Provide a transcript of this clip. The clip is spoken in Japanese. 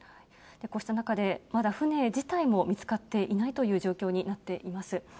こうした中で、まだ船自体も見つかっていないという状況になっています。